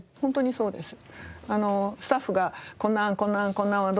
そうですね。